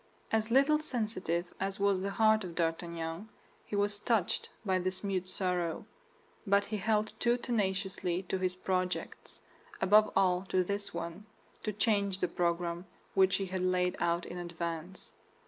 As little sensitive as was the heart of D'Artagnan, he was touched by this mute sorrow; but he held too tenaciously to his projects, above all to this one, to change the program which he had laid out in advance.